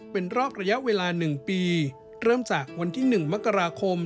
เป็นรอกระยะเวลาหนึ่งปีเริ่มจากวันที่หนึ่งมกราคม